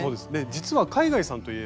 実は海外さんといえば。